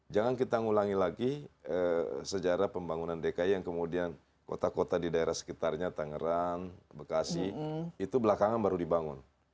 jangan kita ngulangi lagi sejarah pembangunan dki yang kemudian kota kota di daerah sekitarnya tangerang bekasi itu belakangan baru dibangun